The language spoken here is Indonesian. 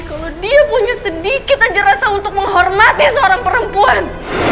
kalau dia punya sedikit aja rasa untuk menghormati seorang perempuan